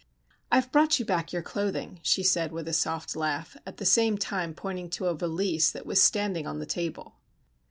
"I've brought you back your clothing," she said, with a soft laugh, at the same time pointing to a valise that was standing on the table.